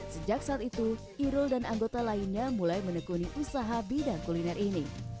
sejak saat itu irul dan anggota lainnya mulai menekuni usaha bidang kuliner ini